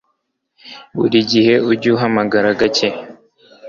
Buri gihe ujye uhamagara gake